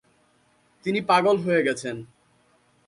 তিনি পাগল হয়ে গেছেন।